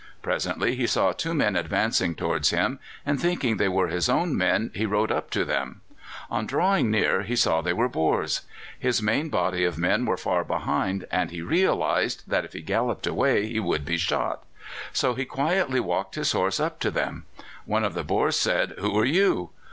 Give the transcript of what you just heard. Presently he saw two men advancing towards him, and thinking they were his own men he rode up to them. On drawing near he saw they were Boers. His main body of men were far behind, and he realized that if he galloped away he would be shot, so he quietly walked his horse up to them. One of the Boers said: "Who are you?"